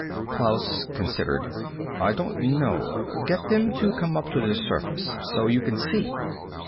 Klaus considered. "I don't know. Get them to come up to the surface. So you can see."